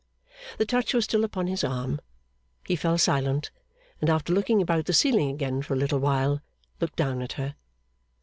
The touch was still upon his arm. He fell silent; and after looking about the ceiling again for a little while, looked down at her.